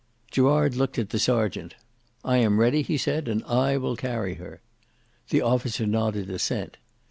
Gerard looked at the serjeant. "I am ready," he said, "and I will carry her." The officer nodded assent.